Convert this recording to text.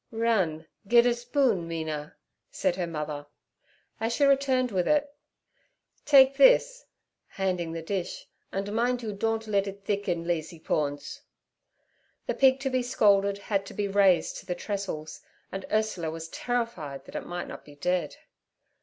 'Run, gedt a spoon, Mina' said her mother. As she returned with it, 'Take this' handing the dish, 'andt mindt you dondt let it thicken, lazypones.' The pig to be scalded had to be raised to the trestles, and Ursula was terrified that it might not be dead.